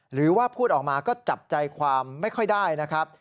หรือว่าพูดออกมาก็จับใจความไม่ค่อยได้นะครับ